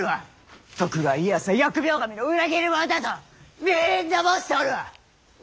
徳川家康は疫病神の裏切り者だとみんな申しておるわ！